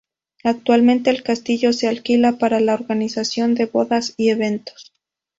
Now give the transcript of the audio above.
Actualmente el castillo se alquila para la organización de bodas y eventos.